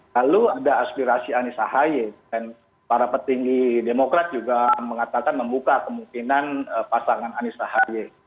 lalu ada aspirasi anies ahy dan para petinggi demokrat juga mengatakan membuka kemungkinan pasangan anies ahaye